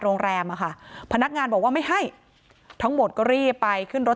โรงแรมอ่ะค่ะพนักงานบอกว่าไม่ให้ทั้งหมดก็รีบไปขึ้นรถ